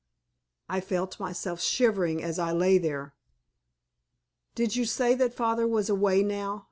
I felt myself shivering as I lay there. "Did you say that father was away now?"